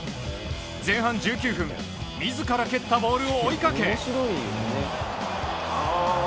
前半１９分自ら蹴ったボールを追いかけ。